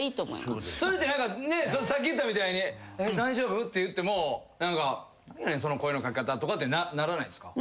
それってさっき言ったみたいに「大丈夫？」って言っても。とかってならないんすか？